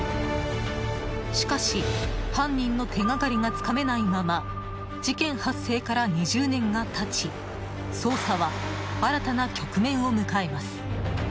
しかし、犯人の手がかりがつかめないまま事件発生から２０年が経ち捜査は新たな局面を迎えます。